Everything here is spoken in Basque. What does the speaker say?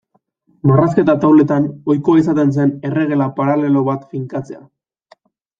Marrazketa-tauletan ohikoa izaten zen erregela paralelo bat finkatzea.